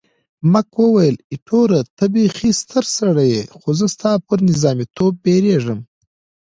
مک وویل، ایټوره ته بیخي ستر سړی یې، خو زه ستا پر نظامیتوب بیریږم.